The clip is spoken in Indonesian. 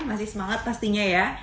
masih semangat pastinya ya